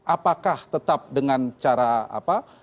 apakah tetap dengan cara apa